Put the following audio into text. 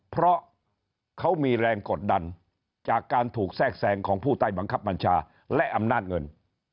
เพราะเขามีแรงกดดันจากการถูกแทรกแซงของผู้ใต้บังคับบัญชาและอำนาจเงิน